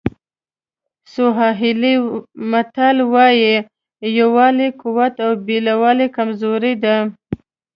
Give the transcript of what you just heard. سواهیلي متل وایي یووالی قوت او بېلوالی کمزوري ده.